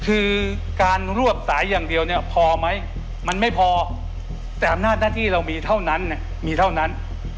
คือการรวบสายอย่างเดียวเนี่ยพอไหมมันไม่พอแต่อำนาจหน้าที่เรามีเท่านั้นเนี่ยมีเท่านั้น